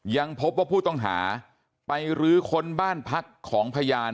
ยังพบว่าผู้ต้องหาไปรื้อค้นบ้านพักของพยาน